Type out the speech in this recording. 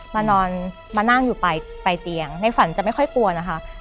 มานอนมานั่งอยู่ไปเตียงในฝันจะไม่ค่อยกลัวนะคะ